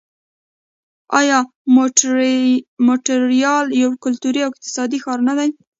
آیا مونټریال یو کلتوري او اقتصادي ښار نه دی؟